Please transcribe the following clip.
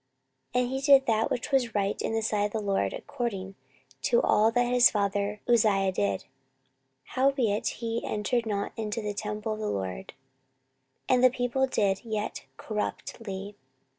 14:027:002 And he did that which was right in the sight of the LORD, according to all that his father Uzziah did: howbeit he entered not into the temple of the LORD. And the people did yet corruptly.